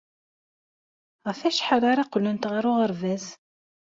Ɣef wacḥal ara qqlent ɣer uɣerbaz?